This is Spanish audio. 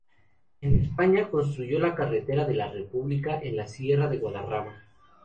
En España construyó la Carretera de la República, en la Sierra de Guadarrama.